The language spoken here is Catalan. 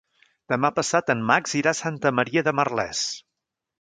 Demà passat en Max irà a Santa Maria de Merlès.